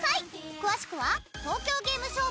詳しくは東京ゲームショウ